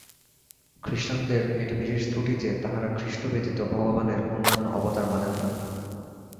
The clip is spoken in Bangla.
খ্রীষ্টানদের এটি বিশেষ ত্রুটি যে, তাঁহারা খ্রীষ্ট ব্যতীত ভগবানের অন্যান্য অবতার মানেন না।